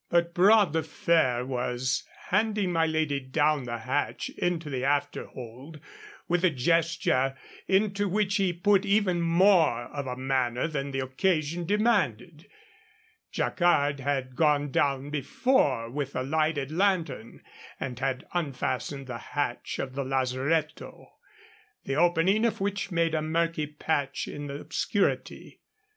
But Bras de Fer was handing my lady down the hatch into the after hold, with a gesture into which he put even more of a manner than the occasion demanded. Jacquard had gone down before with a lighted lantern, and had unfastened the hatch of the lazaretto, the opening of which made a murky patch in the obscurity.